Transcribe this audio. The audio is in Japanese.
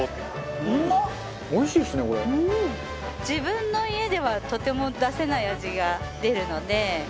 自分の家ではとても出せない味が出るので。